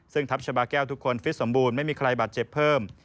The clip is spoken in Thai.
ซึ่งทัพชาบาแก้วทุกคนฟิตสมบูรณ์ไม่มีใครบาดเจ็บเพิ่ม